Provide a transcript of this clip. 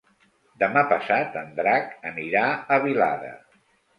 Demà passat en Drac anirà a Vilada.